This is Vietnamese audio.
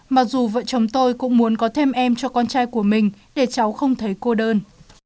mặc dù vợ chồng tôi cũng muốn có thêm em cho con trai của mình để cháu không thấy cô đơn